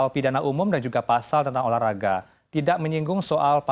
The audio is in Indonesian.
lima perjalanan awal